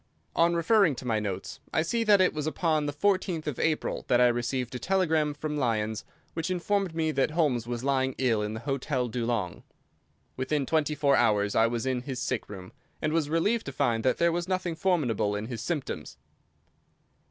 On referring to my notes I see that it was upon the 14th of April that I received a telegram from Lyons which informed me that Holmes was lying ill in the Hotel Dulong. Within twenty four hours I was in his sick room, and was relieved to find that there was nothing formidable in his symptoms.